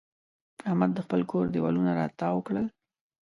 احمد د خپل کور دېوالونه را تاوو کړل.